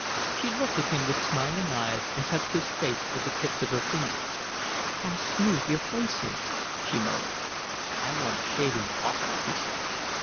She looked at him with smiling eyes and touched his face with the tips of her fingers. "How smooth your face is," she murmured. "I want shaving awfully," he said.